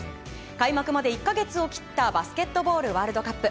開幕まで１か月を切ったバスケットボールワールドカップ。